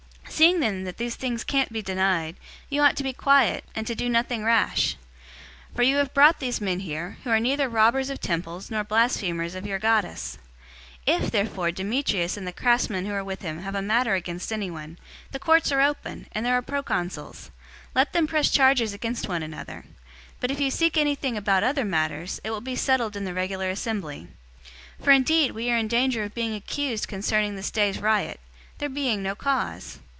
019:036 Seeing then that these things can't be denied, you ought to be quiet, and to do nothing rash. 019:037 For you have brought these men here, who are neither robbers of temples nor blasphemers of your goddess. 019:038 If therefore Demetrius and the craftsmen who are with him have a matter against anyone, the courts are open, and there are proconsuls. Let them press charges against one another. 019:039 But if you seek anything about other matters, it will be settled in the regular assembly. 019:040 For indeed we are in danger of being accused concerning this day's riot, there being no cause.